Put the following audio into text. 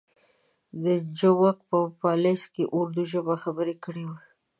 د جومک په پالیز کې اردو ژبه خبرې کړې وې.